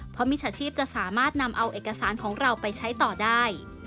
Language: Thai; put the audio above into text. เพราะมิจฉาชีพจะสามารถนำเอาเอกสารของเราไปใช้ต่อได้